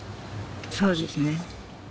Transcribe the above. そうですね。